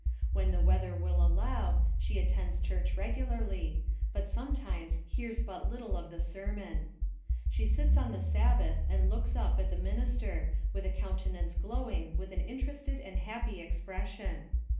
When the weather will al low, slie attends church regularly, but sometimes hears but little of the sermon. She sits on the Sab bath and looks up at the minister, with a counte nance glowing with an interested and happy ex pression.